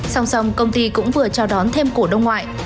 song song công ty cũng vừa chào đón thêm cổ đông ngoại